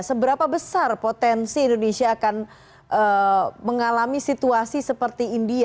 seberapa besar potensi indonesia akan mengalami situasi seperti india